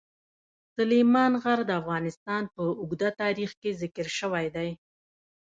سلیمان غر د افغانستان په اوږده تاریخ کې ذکر شوی دی.